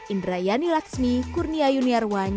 indra yani lakshmi kurnia yuniarwan